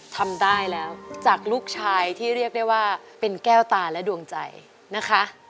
ทำได้แล้วจากลูกชายที่เรียกได้ว่าเป็นแก้วตาและดวงใจนะคะ